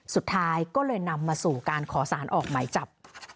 สุดท้ายก็เลยนำมาสู่การขอสารออกหมายจับ